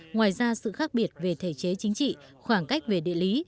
ngoài ra sự khác biệt về thể chế chính trị khoảng cách về địa lý